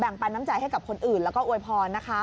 ปันน้ำใจให้กับคนอื่นแล้วก็อวยพรนะคะ